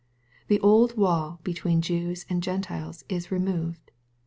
The old wall between Jews and Gentiles is removed.